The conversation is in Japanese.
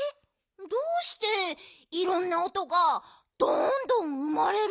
どうしていろんなおとがどんどんうまれるんだろう？